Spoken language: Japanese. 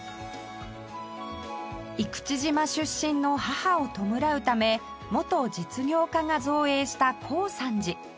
生口島出身の母を弔うため元実業家が造営した耕三寺